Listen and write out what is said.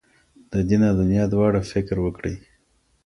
د دین او دنیا دواړو فکر وکړئ.